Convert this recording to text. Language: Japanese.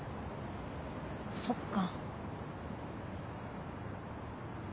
そっか。